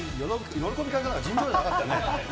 喜び方が尋常じゃなかったよ